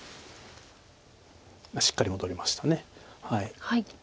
しっかり戻りました。